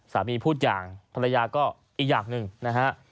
พูดอย่างภรรยาก็อีกอย่างหนึ่งนะฮะ